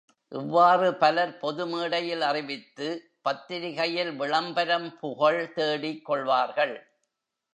இவ்வாறு பலர் பொது, மேடையில் அறிவித்து பத்திரிகையில் விளம்பரம், புகழ் தேடிக் கொள்வார்கள்.